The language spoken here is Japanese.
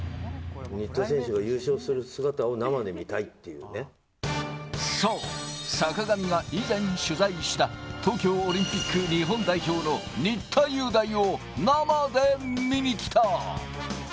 新田選手が優勝する姿を生でそう、坂上が以前、取材した東京オリンピック日本代表の新田祐大を生で見にきた。